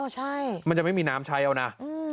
ใช่มันจะไม่มีน้ำใช้เอานะ